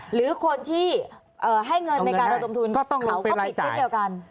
หรือคนที่ให้เงินในการระดมทุนเขาก็ผิดเช่นเดียวกัน